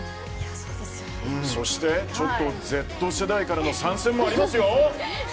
そしてＺ世代からの参戦もありますよ。